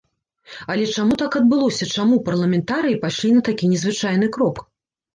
Але чаму так адбылося, чаму парламентарыі пайшлі на такі незвычайны крок?